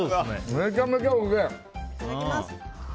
めちゃめちゃおいしい。